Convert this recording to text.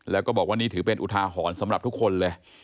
แล้วก็บอกว่านี่ถือเป็นอุทาหรณ์สำหรับทุกคนเลย